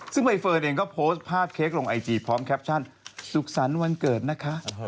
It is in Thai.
ซึ่งใบเฟิร์นเองก็โพสต์ภาพเค้กลงไอจีพร้อมแคปชั่นสุขสรรค์วันเกิดนะคะ